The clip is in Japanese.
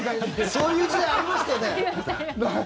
そういう時代ありましたよね。